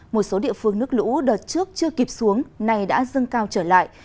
một số địa phương nước lũ đợt trước chưa kịp xuống nay đã dâng cao trở lại